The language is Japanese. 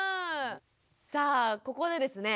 さあここでですね